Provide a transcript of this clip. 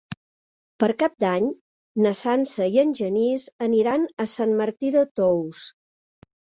Per Cap d'Any na Sança i en Genís aniran a Sant Martí de Tous.